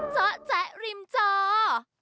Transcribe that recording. จ๊ะแจ๊ะริมเจ้า